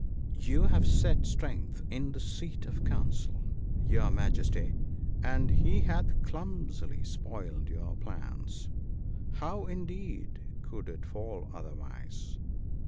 You have set Strength in the seat of Counsel, your WAR. IO9 Majesty, and he hath clumsily spoiled your plans. How indeed could it fall otherwise